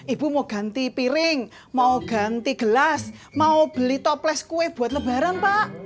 ibu mau ganti piring mau ganti gelas mau beli toples kue buat lebaran pak